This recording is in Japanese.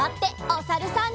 おさるさん。